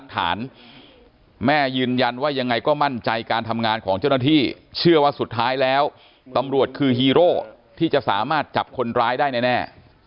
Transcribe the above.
ตำรวจคือฮีโร่ที่จะสามารถจับคนร้ายได้แน่